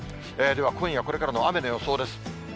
では今夜これからの雨の予想です。